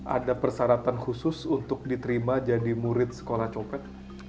ada persyaratan khusus untuk diterima jadi murid sekolah copet